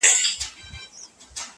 چي عطار دوکان ته راغی ډېر خپه سو-